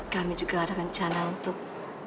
kami juga ada rencana untuk